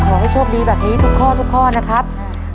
ขอให้โชคดีแบบนี้ทุกข้อนะครับ